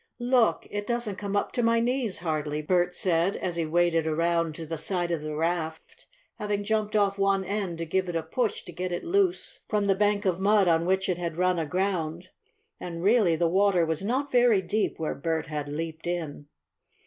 "Look! It doesn't come up to my knees, hardly," Bert said, as he waded around to the side of the raft, having jumped off one end to give it a push to get it loose from the bank of mud on which it had run aground. And, really, the water was not very deep where Bert had leaped in.